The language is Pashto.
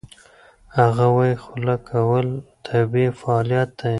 هغه وايي خوله کول طبیعي فعالیت دی.